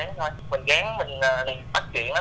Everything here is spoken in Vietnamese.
mình gán mình bắt chuyện đó